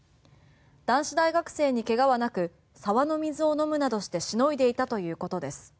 男子大学生にけがはなく沢の水を飲むなどしてしのいでいたということです。